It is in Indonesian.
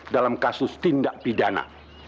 dalam kasus tindak pidana